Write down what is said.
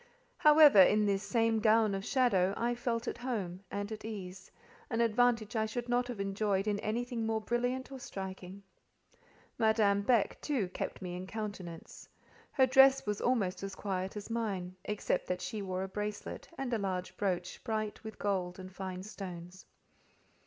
However, in this same gown of shadow, I felt at home and at ease; an advantage I should not have enjoyed in anything more brilliant or striking. Madame Beck, too, kept me in countenance; her dress was almost as quiet as mine, except that she wore a bracelet, and a large brooch bright with gold and fine stones.